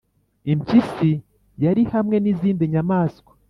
impyisi yari hamwe n'izindi nyamaswa,